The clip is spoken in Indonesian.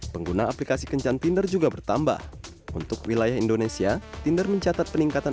pengguna aplikasi kencan tinder juga bertambah untuk wilayah indonesia tinder mencatat peningkatan